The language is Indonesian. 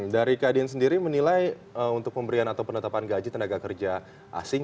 dari kadin sendiri menilai untuk pemberian atau penetapan gaji tenaga kerja asing